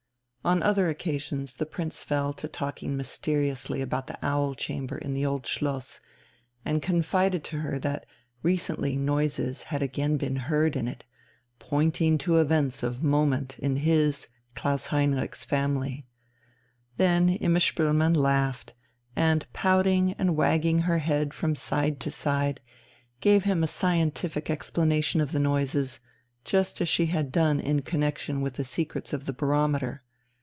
On other occasions the Prince fell to talking mysteriously about the "Owl Chamber" in the Old Schloss, and confided to her that recently noises had again been heard in it, pointing to events of moment in his, Klaus Heinrich's, family. Then Imma Spoelmann laughed, and, pouting and wagging her head from side to side, gave him a scientific explanation of the noises, just as she had done in connexion with the secrets of the barometer.